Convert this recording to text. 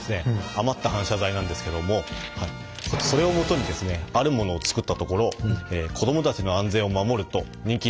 余った反射材なんですけどもそれをもとにですねあるものを作ったところ子供たちの安全を守ると人気になっています。